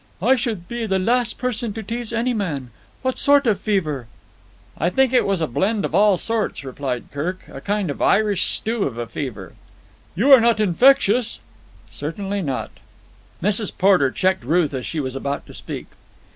"I should be the last person to tease any man. What sort of fever?" "I think it was a blend of all sorts," replied Kirk. "A kind of Irish stew of a fever." "You are not infectious?" "Certainly not." Mrs. Porter checked Ruth as she was about to speak.